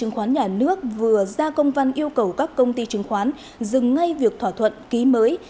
ubnd vừa ra công văn yêu cầu các công ty chứng khoán dừng ngay việc thỏa thuận ký mới